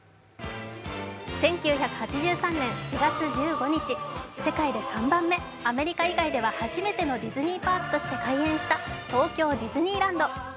１９８３年４月１５日、世界で３番目、アメリカ以外では初めてのディズニーパークとして開園した東京ディズニーランド。